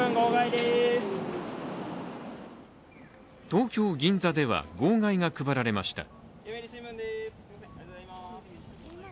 東京・銀座では、号外が配られました。